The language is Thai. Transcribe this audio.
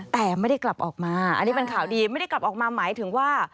แต่ไม่ได้กลับออกมาอันนี้เป็นข่าวดีไม่ได้กลับออกมาหมายถึงว่า